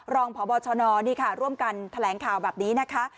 รองพบชนนี่ค่ะร่วมกันแถลงข่าวแบบนี้นะคะ